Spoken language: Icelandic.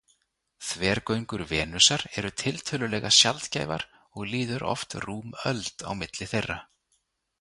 Þvergöngur Venusar eru tiltölulega sjaldgæfar og líður oft rúm öld á milli þeirra.